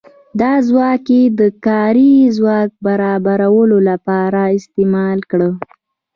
دا ځواک یې د کاري ځواک برابرولو لپاره استعمال کړ.